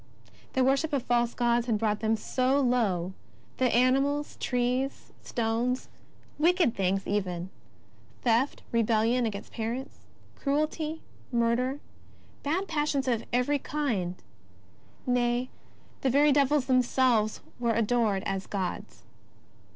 The worship of false gods had brought them so low, that animals, trees, stones, wicked things even — theft, rebellion against parents, cruelty, murder, bad passions of every kind — nay, the very devils themselves, were adored as gods.